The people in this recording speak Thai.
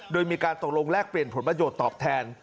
โดยมีการตกลงแลกเปลี่ยนผลประโยชน์ตอบแทน